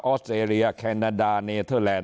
อสเตรเลียแคนาดาเนเทอร์แลนด